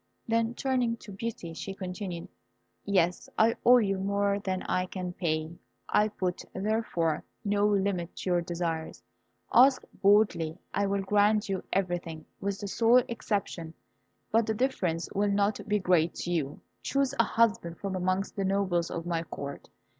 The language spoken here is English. Then turning to Beauty, she continued, "Yes, I owe you more than I can pay. I put, therefore, no limit to your desires. Ask boldly, I will grant you everything, with that sole exception; but the difference will not be great to you. Choose a husband from amongst the nobles of my Court.